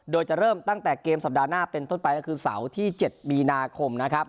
โดยจะเริ่มตั้งแต่เกมสัปดาห์หน้าเป็นต้นไปก็คือเสาร์ที่๗มีนาคมนะครับ